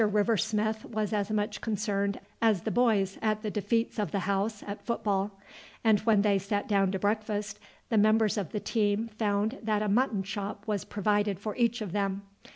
River Smith was as much concerned as the boys at the defeats of the house at football, and when they sat down to breakfast the members of the team found that a mutton chop was provided for each of them.